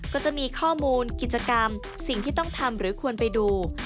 ก็จะมีข้อมูลกิจกรรมสิ่งที่ต้องทำหรือควรไปดู